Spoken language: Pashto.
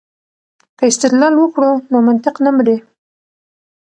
که استدلال وکړو نو منطق نه مري.